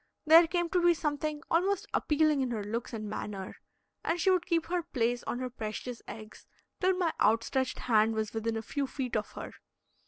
There came to be something almost appealing in her looks and manner, and she would keep her place on her precious eggs till my outstretched hand was within a few feet of her.